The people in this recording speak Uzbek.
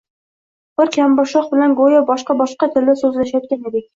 Biz kampirsho bilan go‘yo boshka-boshqa tilda so‘zlashayotgan edik.